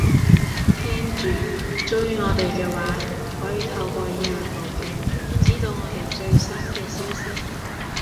聽住，鍾意我哋嘅話，可以透過以下途徑，知道我哋最新嘅消息